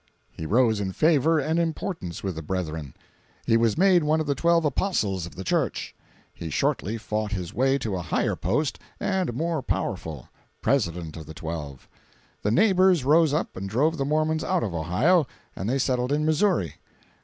He rose in favor and importance with the brethren. He was made one of the Twelve Apostles of the Church. He shortly fought his way to a higher post and a more powerful—President of the Twelve. The neighbors rose up and drove the Mormons out of Ohio, and they settled in Missouri.